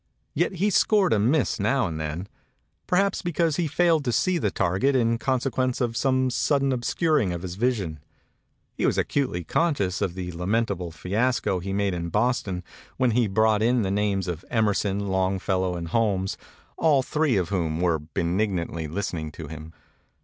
Yet he scored a miss now and then ; perhaps be cause he failed to see the target in consequence of some sudden obscuring of his vision. He was 272 MEMORIES OF MARK TWAIN acutely conscious of the lamentable fiasco he made in Boston when he brought in the names of Emerson, Longfellow and Holmes, all three of whom were benignantly listening to him.